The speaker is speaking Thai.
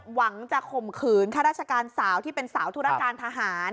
หวังจะข่มขืนข้าราชการสาวที่เป็นสาวธุรการทหาร